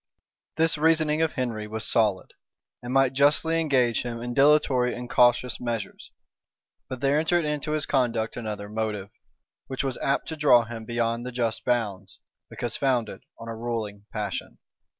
This reasoning of Henry was solid, and might justly engage him in dilatory and cautious measures: but there entered into his conduct another motive, which was apt to draw him beyond the just bounds, because founded on a ruling passion.